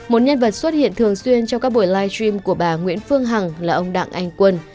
một nhân vật xuất hiện thường xuyên trong các buổi live stream của bà nguyễn phương hằng là ông đặng anh quân